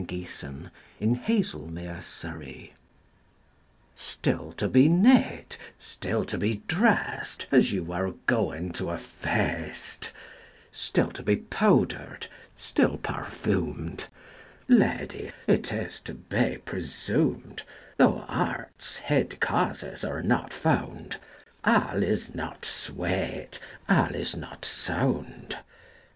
1573–1637 186. Simplex Munditiis STILL to be neat, still to be drest, As you were going to a feast; Still to be powder'd, still perfumed: Lady, it is to be presumed, Though art's hid causes are not found, 5 All is not sweet, all is not sound.